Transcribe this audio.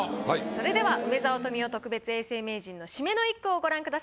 それでは梅沢富美男特別永世名人の締めの一句をご覧ください。